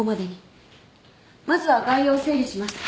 まずは概要を整理します。